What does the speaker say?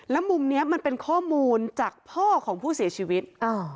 แล้วมุมนี้มันเป็นข้อมูลจากพ่อของผู้เสียชีวิต